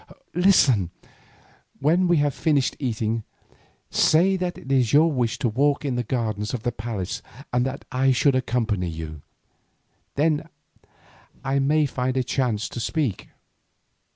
Listen: when we have finished eating, say that it is your wish to walk in the gardens of the palace and that I should accompany you. Then I may find a chance to speak."